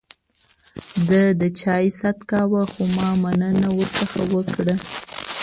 ده د چای ست کاوه ، خو ما مننه ورڅخه وکړه.